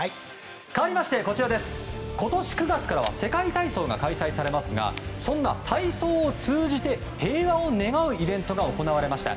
かわりまして、今年９月からは世界体操が開催されますがそんな体操を通じて平和を願うイベントが行われました。